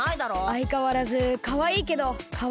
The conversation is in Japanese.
あいかわらずかわいいけどかわいくないな。